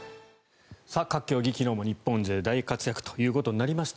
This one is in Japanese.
各競技、昨日も日本勢大活躍ということになりました。